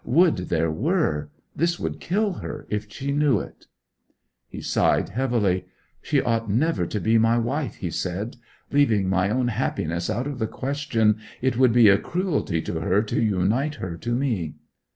Would there were! This would kill her if she knew it!' He sighed heavily. 'She ought never to be my wife,' he said. 'Leaving my own happiness out of the question, it would be a cruelty to her to unite her to me.'